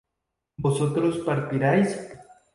¿vosotros partiríais?